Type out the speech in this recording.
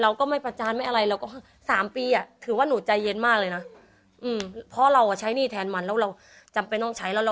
ว่าคือเราก็เก็บแล้วต่อค่ะ